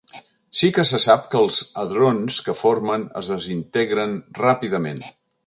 Sí que se sap que els hadrons que forma es desintegren ràpidament.